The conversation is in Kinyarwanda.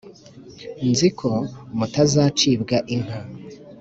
nzi ko mutazacibwa inka: